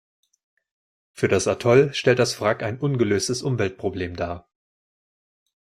Für das Atoll stellt das Wrack ein ungelöstes Umweltproblem dar.